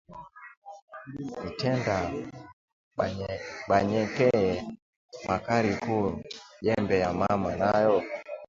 Mitenda banyekeye makari ku jembe ya mama nayo